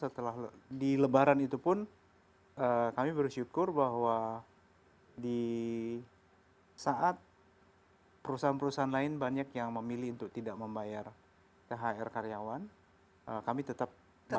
setelah di lebaran itu pun kami bersyukur bahwa di saat perusahaan perusahaan lain banyak yang memilih untuk tidak membayar thr karyawan kami tetap dapat